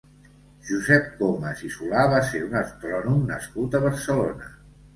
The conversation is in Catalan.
Josep Comas i Solà va ser un astrònom nascut a Barcelona.